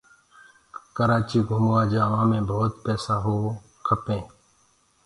ڪرآچيٚ گھموآ جآوآ مي ڀوت پيسآ هوو کپينٚ